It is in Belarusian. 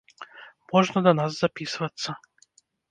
Можна да нас запісвацца.